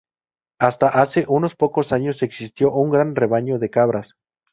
Hasta hace unos pocos años existió un gran rebaño de cabras.